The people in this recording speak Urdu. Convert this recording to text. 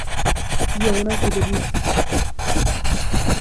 یا ہونا کہ جدید